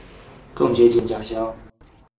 更接近家乡